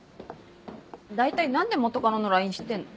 大体何で元カノのＬＩＮＥ知ってんの？